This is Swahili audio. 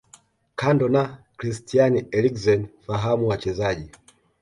Kando na Christian Eriksen fahamu wachezaji